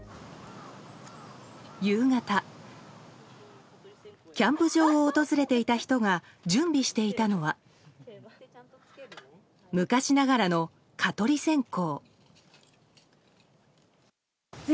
夕方キャンプ場を訪れていた人が準備していたのは昔ながらの蚊取り線香。